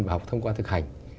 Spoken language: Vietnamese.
và học thông qua thực hành